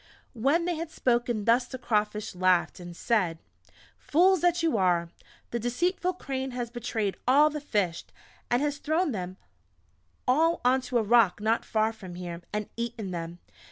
When they had spoken thus the Crawfish laughed, and said: "Fools that you are! The deceitful Crane has betrayed all the Fish, and has thrown them all onto a Rock not far from here, and eaten them.